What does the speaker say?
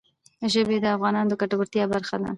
ژبې د افغانانو د ګټورتیا برخه ده.